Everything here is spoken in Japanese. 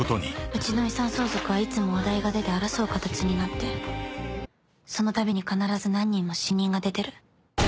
「うちの遺産相続はいつもお題が出て争う形になってそのたびに必ず何人も死人が出てる」